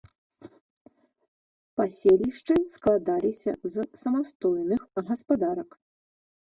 Паселішчы складаліся з самастойных гаспадарак.